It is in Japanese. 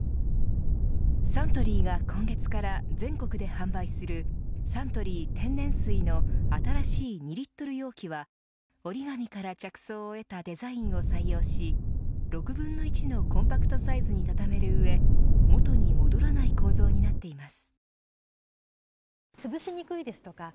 サントリーが今月から全国で販売するサントリー天然水の、新しい２リットル容器は折り紙から着想を得たデザインを採用し６分の１のコンパクトサイズに畳める上元に戻らない構造になっています。